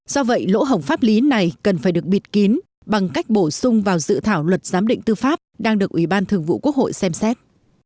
do vậy lỗ hổng pháp lý này cần phải được bịt kín bằng cách bổ sung vào dự thảo luật giám định tư pháp đang được ủy ban thường vụ quốc hội xem xét